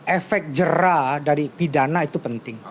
efek jerah dari pidana itu penting